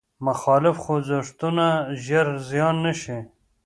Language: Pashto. مخالف خوځښتونه ژر زیان نه شي.